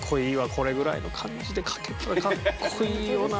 これぐらいの感じで描けたらかっこいいよなあ。